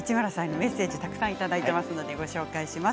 メッセージをたくさんいただいています。